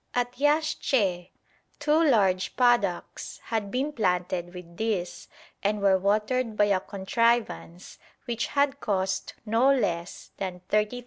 At Yaxche two large paddocks had been planted with this, and were watered by a contrivance which had cost no less than £30,000.